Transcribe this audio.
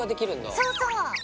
そうそう！